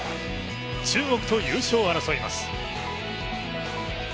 中国と優勝を争います。